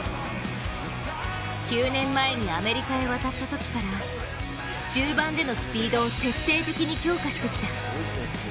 ９年前にアメリカへ渡ったときから終盤でのスピードを徹底的に強化してきた。